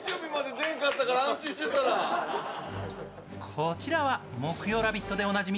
こちらは木曜「ラヴィット！」でおなじみ